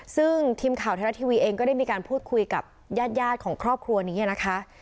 ซึ่งทีมข่าวไทยรัฐทีวีเองก็ได้มีการพูดคุยกับญาติของครอบครัวนี้นะคะ